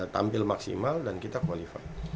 tampil maksimal dan kita qualified